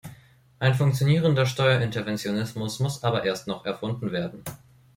Ein funktionierender Steuerinterventionismus muss aber erst noch erfunden werden.